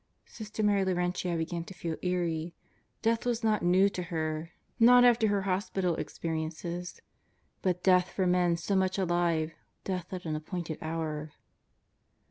Sister Mary Laurentia began to feel eerie. Death was not new to her; not after her hospital experiences. But death for men so much alive; death at an appointed hour.